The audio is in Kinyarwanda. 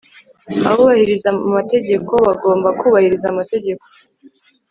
Abubahiriza amategeko bagomba kubahiriza amategeko